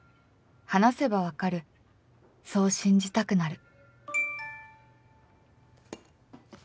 話せば分かるそう信じたくなる